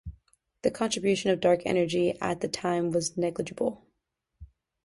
The contribution of dark energy at the time was negligible.